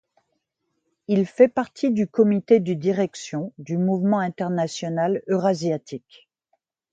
Il fait partie du comité de direction du Mouvement international eurasiatique.